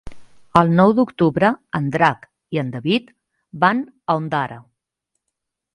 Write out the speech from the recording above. El nou d'octubre en Drac i en David van a Ondara.